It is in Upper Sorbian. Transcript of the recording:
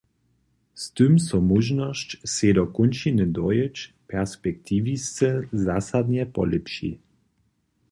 Z tym so móžnosć, sej do kónčiny dojěć, perspektiwisce zasadnje polěpši.